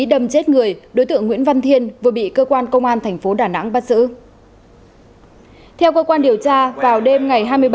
cảm ơn các bạn đã theo dõi